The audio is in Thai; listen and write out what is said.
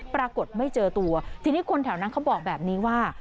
ปรากฏไม่เจอตัวทีนี้คนแถวนั้นเขาบอกแบบนี้ว่า